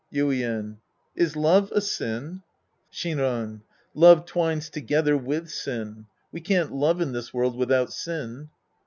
Yuien. Is love a sin ? Shinran. Love twines together with sin. We can't love in this world without sin.